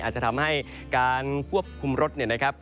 อาจจะทำให้การควบคุมรถเนี่ยนะครับ